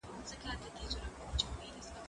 سفر وکړه!.